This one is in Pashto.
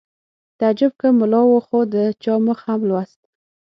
تعجب که ملا و خو د چا مخ هم لوست